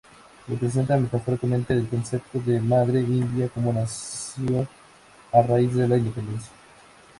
Representa metafóricamente del concepto de "Madre India", como nación a raíz de la independencia.